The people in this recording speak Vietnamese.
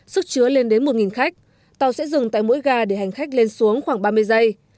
sức chứa lên đến một khách tàu sẽ dừng tại mỗi ga để hành khách lên xuống khoảng ba mươi giây